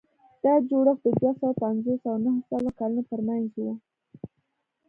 دا جوړښت د دوه سوه پنځوس او نهه سوه کلونو ترمنځ و.